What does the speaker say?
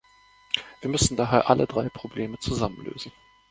Wir müssen daher alle drei Probleme zusammen lösen.